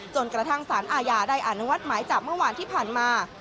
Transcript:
จนกระทั่งสารอาญาได้อนุมัติหมายจับเมื่อวานที่ผ่านมา